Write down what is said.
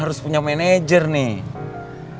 harus punya manajer nih